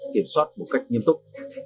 kiểm soát một cách nghiêm túc